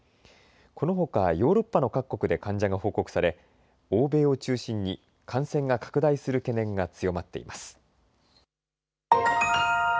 このほかヨーロッパの各国で患者が報告され、欧米を中心に感染が拡大する懸念が強まっています。